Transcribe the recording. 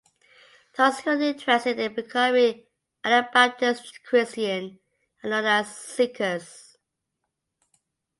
Those who are interested in becoming an Anabaptist Christian are known as Seekers.